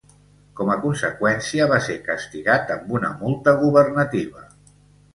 Com a conseqüència, va ser castigat amb una multa governativa.